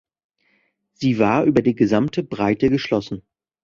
Sie war über die gesamte Breite geschlossen.